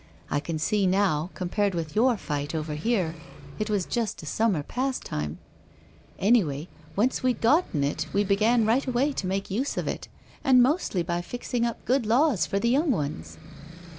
I can see now, compared with your fight over here, it was just a summer pastime. Anyway, once we*d gotten it, we began right away to make use of it, and mostly by fixing up good laws for the young ones."